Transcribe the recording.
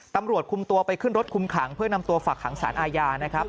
ตำรวจคุมตัวไปขึ้นรถคุมขังเพื่อนำตัวฝักขังสารอาญานะครับ